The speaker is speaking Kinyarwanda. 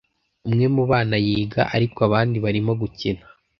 Umwe mu bana yiga, ariko abandi barimo gukina.